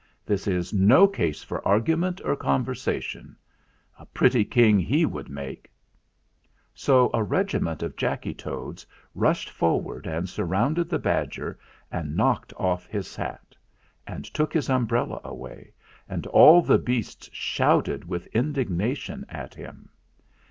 This is no case for argument or conversation. A pretty king he would make !" 292 THE FLINT HEART So a regiment of Jacky Toads rushed for ward and surrounded the badger and knocked his hat off and took his umbrella away; and all the beasts shouted with indignation at him.